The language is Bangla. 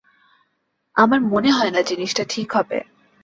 আমার মনে হয় না জিনিসটা ঠিক হবে।